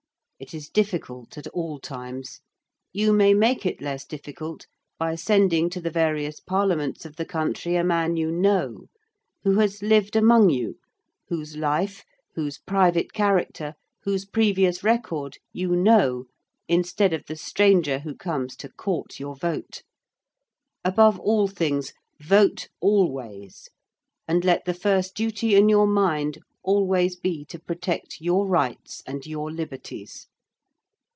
It is difficult at all times. You may make it less difficult by sending to the various Parliaments of the country a man you know, who has lived among you, whose life, whose private character, whose previous record you know instead of the stranger who comes to court your vote. Above all things vote always and let the first duty in your mind always be to protect your rights and your liberties.